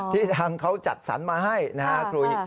ที่ทางเขาจัดสรรมาให้นะครับ